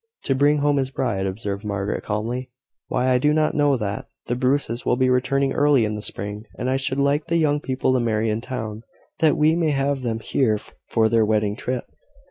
"To bring home his bride," observed Margaret, calmly. "Why, I do not know that. The Bruces will be returning early in the spring; and I should like the young people to marry in town, that we may have them here for their wedding trip."